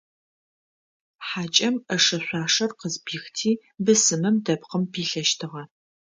Хьакӏэм ӏэшэ-шъуашэр къызпихти, бысымым дэпкъым пилъэщтыгъэ.